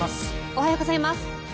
おはようございます。